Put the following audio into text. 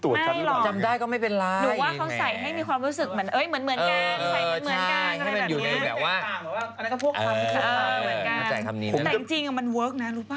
แต่จริงมันเวิร์คนะ